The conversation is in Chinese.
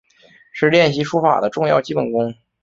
是练习书法的重要基本功。